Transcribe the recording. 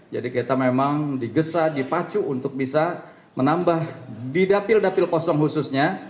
jadi kita memang digesa dipacu untuk bisa menambah di dapil dapil kosong khususnya